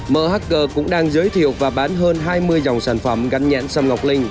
mhg cũng đang giới thiệu và bán hơn hai mươi dòng sản phẩm gắn nhãn xăm ngọc linh